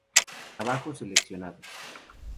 Trabajos seleccionados.